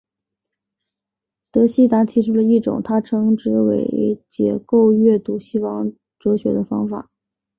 德希达提出了一种他称之为解构阅读西方哲学的方法。